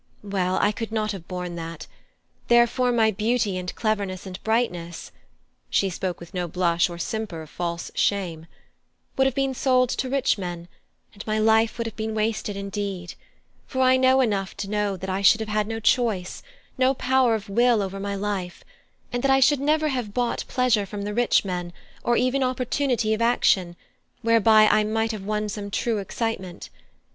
Well, I could not have borne that; therefore my beauty and cleverness and brightness" (she spoke with no blush or simper of false shame) "would have been sold to rich men, and my life would have been wasted indeed; for I know enough of that to know that I should have had no choice, no power of will over my life; and that I should never have bought pleasure from the rich men, or even opportunity of action, whereby I might have won some true excitement.